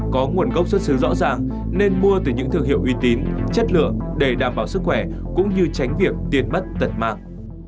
có nguồn gốc xuất xứ rõ ràng nên mua từ những thương hiệu uy tín chất lượng để đảm bảo sức khỏe cũng như tránh việc tiền mất tật mạng